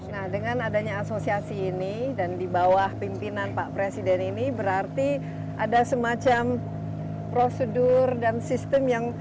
nah dengan adanya asosiasi ini dan di bawah pimpinan pak presiden ini berarti ada semacam prosedur dan sistem yang